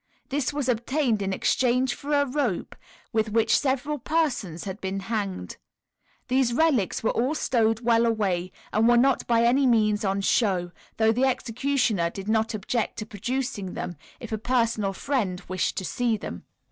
This was obtained in exchange for a rope with which several persons had been hanged. These relics were all stowed well away, and were not by any means "on show," though the executioner did not object to producing them if a personal friend wished to see them.